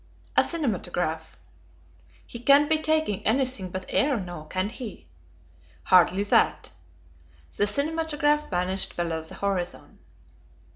A cinematograph. "He can't be taking anything but air now, can he?" "Hardly that." The cinematograph vanished below the horizon.